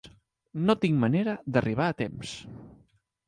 No tinc manera d'arribar a temps.